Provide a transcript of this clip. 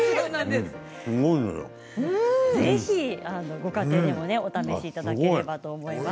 ご家庭でもぜひお試しいただければと思います。